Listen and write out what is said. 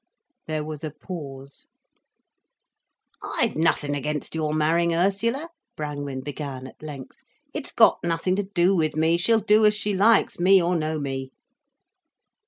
There was a pause. "I've nothing against your marrying Ursula," Brangwen began at length. "It's got nothing to do with me, she'll do as she likes, me or no me."